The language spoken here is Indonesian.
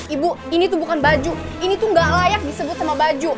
ibu ini tuh bukan baju ini tuh gak layak disebut sama baju